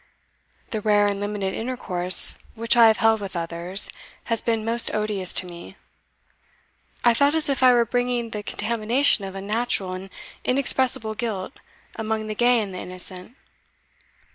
The rare and limited intercourse which I have held with others has been most odious to me. I felt as if I were bringing the contamination of unnatural and inexpressible guilt among the gay and the innocent.